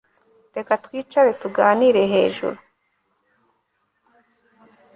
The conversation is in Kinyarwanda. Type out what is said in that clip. Reka twicare tuganire hejuru